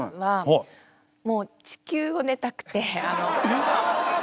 えっ？